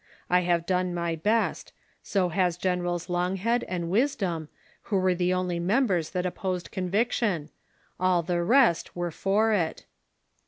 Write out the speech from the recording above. I have done my best ; so has Generals Longhead and Wisdom, who were the only members that opposed conviction ; all the rest were for it."